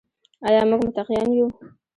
آیا موږ متقیان یو؟